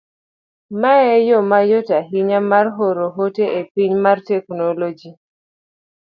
mae e yo machon ahinya mar oro ote e piny mar teknoloji